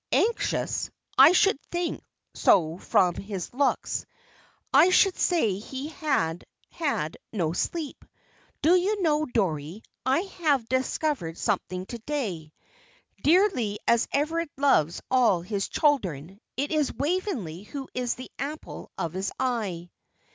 "Anxious! I should think so from his looks. I should say he had had no sleep. Do you know, Dorrie, I have discovered something to day; dearly as Everard loves all his children, it is Waveney who is the apple of his eye."